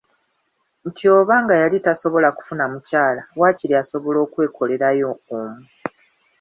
Nti oba nga yali tasobola kufuna mukyala, waakiri asobola okwekolerayo omu.